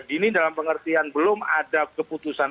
dini dalam pengertian belum ada keputusan